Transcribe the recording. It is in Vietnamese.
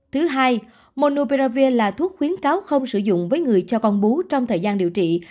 thứ hai monopravir là thuốc khuyến cáo không sử dụng với người cho con bú trong thời gian điều trị